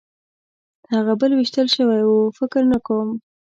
هغه بل وېشتل شوی و؟ فکر نه کوم.